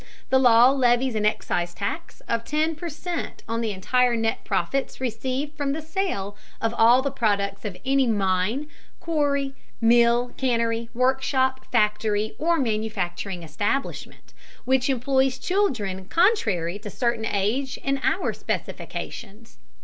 The law levies an excise tax of ten per cent on the entire net profits received from the sale of all the products of any mine, quarry, mill, cannery, workshop, factory, or manufacturing establishment, which employs children contrary to certain age and hour specifications.